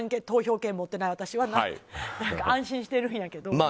投票権持ってない私は安心してるんやけど。